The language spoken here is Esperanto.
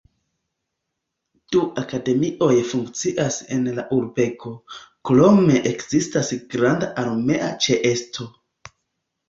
Du akademioj funkcias en la urbego, krome ekzistas granda armea ĉeesto.